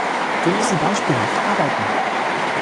Wir müssen beispielhaft arbeiten.